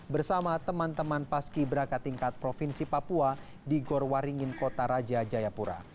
bersama teman teman paski berakat tingkat provinsi papua di gorwaringin kota raja jayapura